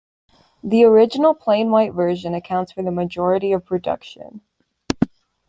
The original plain white version accounts for the majority of production.